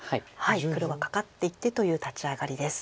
黒がカカっていってという立ち上がりです。